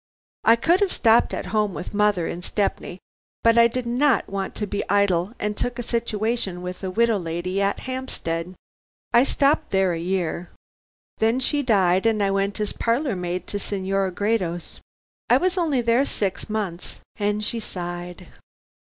"I could have stopped at home with mother in Stepney, but I did not want to be idle, and took a situation with a widow lady at Hampstead. I stopped there a year. Then she died and I went as parlor maid to a Senora Gredos. I was only there six months," and she sighed.